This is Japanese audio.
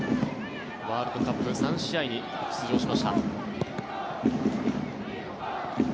ワールドカップ３試合に出場しました。